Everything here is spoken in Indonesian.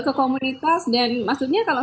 ke komunitas dan maksudnya kalau